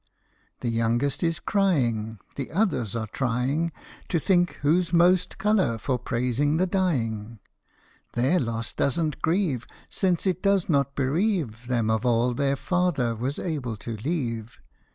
The youngest is crying, The others are trying To think who 's most colour for praising the dying ; Their loss doesn't grieve, Since it does not bereave Them of all that their father was able to leave.